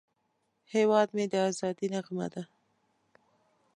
هیواد مې د ازادۍ نغمه ده